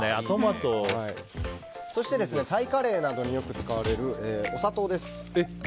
そして、タイカレーなどによく使われるお砂糖です。